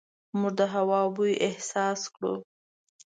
موږ د هوا بوی احساس کړو.